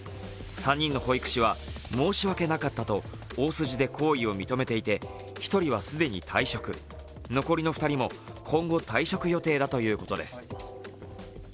３人の保育士は、申し訳なかったと大筋で行為を認めていて、１人は既に退職、残りの２人も今後、退職予定だということです。